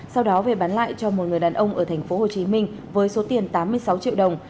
sau đó về bán lại cho một người đàn ông ở thành phố hồ chí minh với số tiền tám mươi sáu triệu đồng